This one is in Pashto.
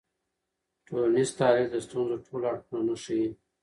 ټولنیز تحلیل د ستونزو ټول اړخونه نه ښيي.